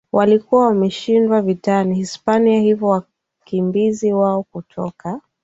walikuwa wameshindwa vitani Hispania hivyo wakimbizi wao kutoka